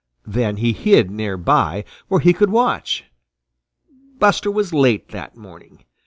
Then he hid near by, where he could watch. Buster was late that morning.